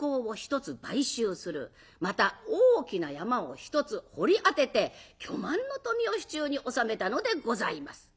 また大きな山を一つ掘り当てて巨万の富を手中に収めたのでございます。